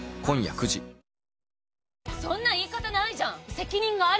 そんな言い方ないじゃん！